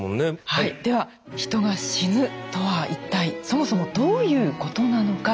はいでは人が死ぬとは一体そもそもどういうことなのか？